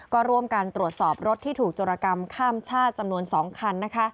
ก็ร่วมกันตรวจสอบรถที่ถูกจรกรรมข้ามชาติจำนวน๒คัน